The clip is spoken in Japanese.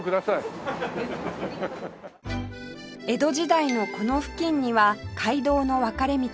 江戸時代のこの付近には街道の分かれ道